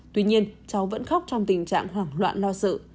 tuy nhiên cháu vẫn khóc trong tình trạng hoảng loạn lo sự